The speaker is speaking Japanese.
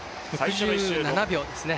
６７秒ですね。